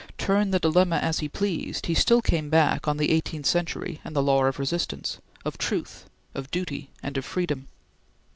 Turn the dilemma as he pleased, he still came back on the eighteenth century and the law of Resistance; of Truth; of Duty, and of Freedom.